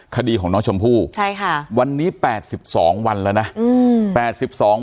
คดีของน้องชมพู่วันนี้๘๒วันละนะใช่ค่ะ